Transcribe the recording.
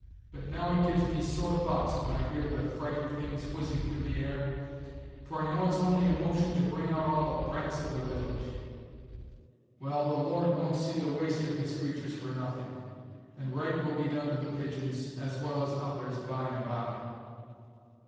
But now it gives me sore thoughts when I hear the frighty things whizzing through the air, for I know it's only a motion to bring out all the brats of the village. Well, the Lord won't see the waste of his creatures for nothing, and right will be done to the pigeons, as well as others, by and by.